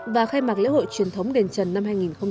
và khai mạc lễ hội truyền thống đền trần năm hai nghìn một mươi chín